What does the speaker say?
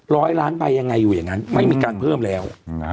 ร้อยล้านใบยังไงอยู่อย่างนั้นไม่มีการเพิ่มแล้ว